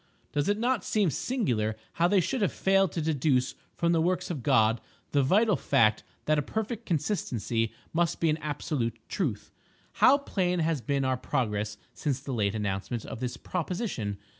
Does it not seem singular how they should have failed to deduce from the works of God the vital fact that a perfect consistency must be an absolute truth! How plain has been our progress since the late announcement of this proposition!